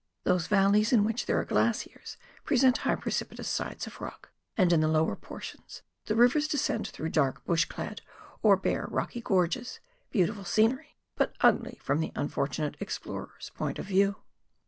Those valleys in which there are glaciers present high precipitous sides of rock, and in the lower portions, the rivers descend through dark bush clad or bare rocky gorges — beautiful scenery, but ugly from the unfortunate explorer's point of view.